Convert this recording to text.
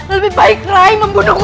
lebih baik rai membunuhku